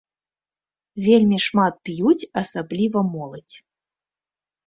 Вельмі шмат п'юць, асабліва моладзь.